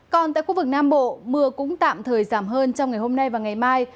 còn tại khu vực nam bộ mưa cũng tạm thời giảm hơn trong ngày hôm nay và ngày mai